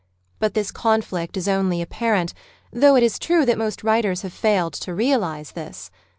But this conflict is only apparent, though it is true that most writers have failed to realise this.